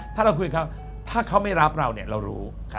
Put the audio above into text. ถ้าเราคุยกับเขาถ้าเขาไม่รับเราเนี่ยเรารู้